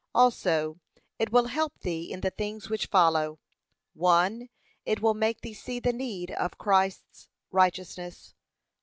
Also, it will help thee in the things which follow: l. It will make thee see the need of Christ's righteousness.